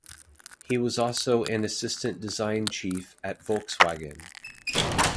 He was also an assistant design chief at Volkswagen.